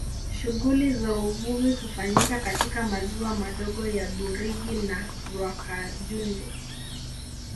Shughuli za uvuvi hufanyika katika maziwa madogo ya Burigi na Rwakajunju